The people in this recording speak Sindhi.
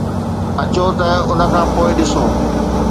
اچو ته ان کان پوء ڏسو